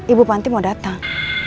ibu panti mau datang